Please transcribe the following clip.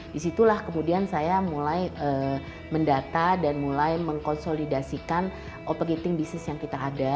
disitulah kemudian saya mulai mendata dan mulai mengkonsolidasikan operating business yang kita ada